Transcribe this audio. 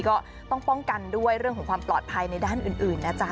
ก็ต้องป้องกันด้วยเรื่องของความปลอดภัยในด้านอื่นนะจ๊ะ